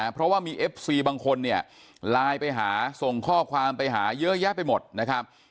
เพราะว่ามีเอฟซีบางคนเนี่ยไลน์ไปหาส่งข้อความไปหาเยอะแยะไปหมดนะครับ